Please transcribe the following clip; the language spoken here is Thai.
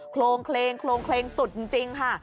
โครงเคลงโครงเคลงสุดจริงค่ะ